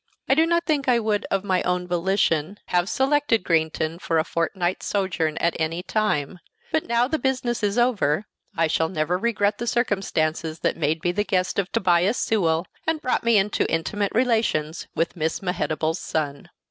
I do not think I would, of my own volition, have selected Greenton for a fortnight's sojourn at any time; but now the business is over, I shall never regret the circumstances that made me the guest of Tobias Sewell, and brought me into intimate relations with Miss Mehetabel's Son.